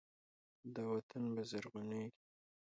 دا وطن به زرغونیږي.